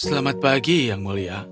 selamat pagi yang mulia